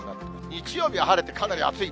日曜日晴れて、かなり暑い。